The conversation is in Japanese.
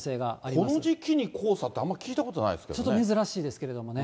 この時期に黄砂って、あんまり聞いたことないですけどね。